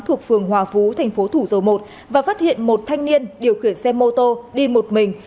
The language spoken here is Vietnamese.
thuộc phường hòa phú thành phố thủ dầu một và phát hiện một thanh niên điều khiển xe mô tô đi một mình